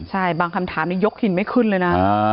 ใช่บางคำถามนี้ยกถิ่นไม่ขึ้นเลยนะ